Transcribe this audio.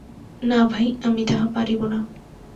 না ভাই, আমি তাহা পারিব না।